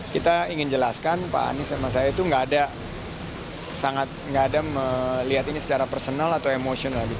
kita ingin jelaskan pak anies dan saya itu nggak ada melihat ini secara personal atau emosional